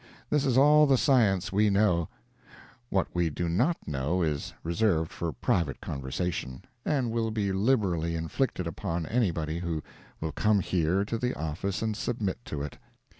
This is all the science we know. What we do not know is reserved for private conversation, and will be liberally inflicted upon any body who will come here to the office and submit to it.